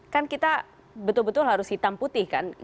kan kita betul betul harus hitam putih kan